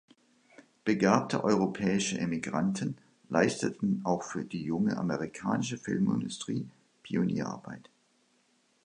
Begabte europäische Emigranten leisteten auch für die junge amerikanische Filmindustrie Pionierarbeit.